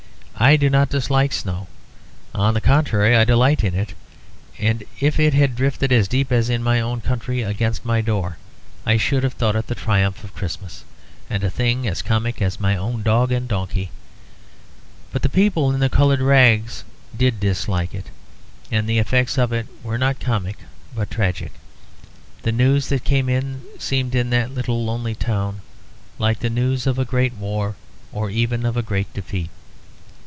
I do not dislike snow; on the contrary I delight in it; and if it had drifted as deep in my own country against my own door I should have thought it the triumph of Christmas, and a thing as comic as my own dog and donkey. But the people in the coloured rags did dislike it; and the effects of it were not comic but tragic. The news that came in seemed in that little lonely town like the news of a great war, or even of a great defeat.